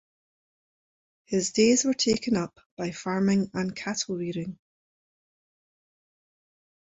His days were taken up by farming and cattle rearing.